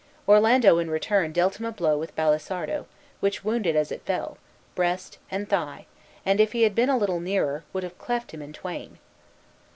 Orlando, in return, dealt him a blow with Balisardo, which wounded as it fell face, breast, and thigh, and, if he had been a little nearer, would have cleft him in twain.